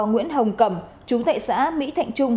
nguyễn hồng cầm chú tệ xã mỹ thạnh trung